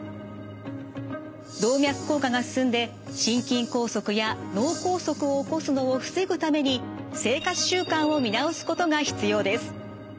動脈硬化が進んで心筋梗塞や脳梗塞を起こすのを防ぐために生活習慣を見直すことが必要です。